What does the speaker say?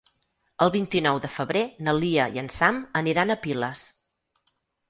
El vint-i-nou de febrer na Lia i en Sam aniran a Piles.